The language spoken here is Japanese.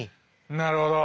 なるほど！